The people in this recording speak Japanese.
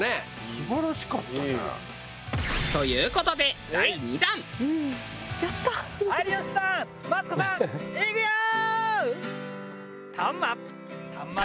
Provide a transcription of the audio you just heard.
素晴らしかったね。という事で有吉さんマツコさんいくよー！